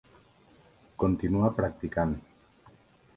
Continua practicant.